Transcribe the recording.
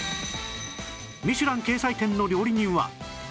『ミシュラン』掲載店の料理人は